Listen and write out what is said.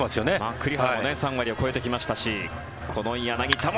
栗原も３割を超えてきましたしこの柳田も。